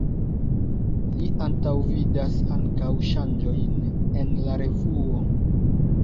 Li antaŭvidas ankaŭ ŝanĝojn en la revuo.